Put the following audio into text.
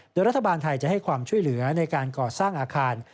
โดยรัฐบาลไทยจะให้ความช่วยเหลือในการก่อสร้างอาคาร